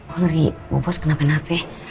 ngeri bobo bisa kena hp